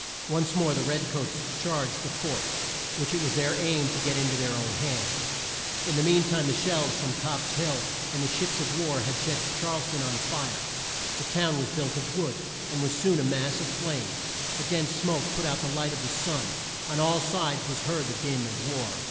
Once more the red coats charged the fort, which it was their aim to get in to their own hands. In the mean time the shells from Copp's Hill and the ships of war had set Charles town on fire. The town was built of wood, and was soon a mass of flames. The dense smoke put out the light of the sun On all sides was heard the din of war.